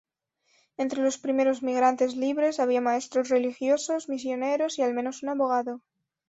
Entre los primeros migrantes libres, había maestros religiosos, misioneros y al menos un abogado.